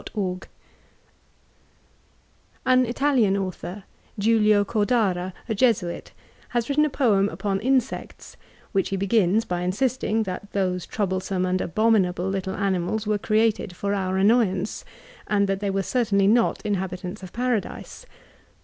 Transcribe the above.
] [N Italian author — Giolio Cordara, a Jesuit — ^has written a poem upon in sects, which he begins by insisting, that those troublesome and abominable little animals were created for our annoyance, and that they were certainly not inhabitants of Paradise.